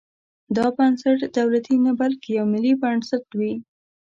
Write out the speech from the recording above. دا بنسټ دولتي نه بلکې یو ملي بنسټ وي.